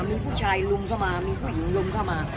มีผู้ชายลุมเข้ามามีผู้หญิงลุมเข้ามา